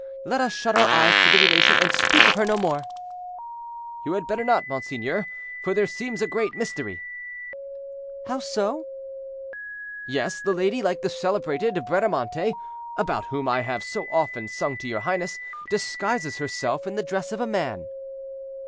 Let us shut our eyes to the relation, and speak of her no more." "You had better not, monseigneur, for there seems a great mystery." "How so?" "Yes, the lady, like the celebrated Bradamante, about whom I have so often sung to your highness, disguises herself in the dress of a man."